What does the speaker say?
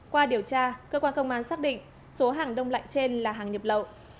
qua điều tra cơ quan công an xác định số hàng đông lạnh trên là hàng nhập lậu